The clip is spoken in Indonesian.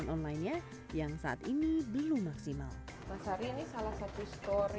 mereka akan menjajaki pasar eceran yang lebih luas dengan membuka toko toko di kota kota besar